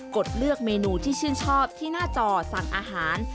ดเลือกเมนูที่ชื่นชอบที่หน้าจอสั่งอาหาร